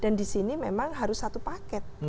dan di sini memang harus satu paket